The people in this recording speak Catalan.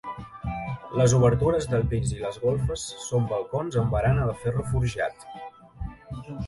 Les obertures del pis i les golfes són balcons amb barana de ferro forjat.